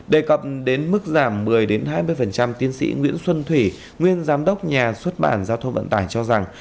đề cập đến mức giảm một mươi hai mươi tiến sĩ nguyễn xuân thủy nguyên giám đốc nhà xuất bản giao thông vận tải cho rằng